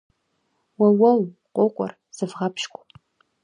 Уэуэу, къокӏуэр, зывгъэпщкӏу!